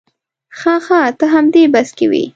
ښه ښه ته همدې بس کې وې.